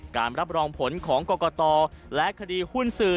รับรองผลของกรกตและคดีหุ้นสื่อ